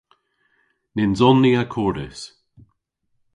Nyns on ni akordys.